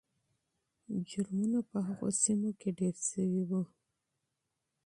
جرمونه په هغو سیمو کې ډېر شوي وو.